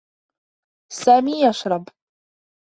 سامي يشرب.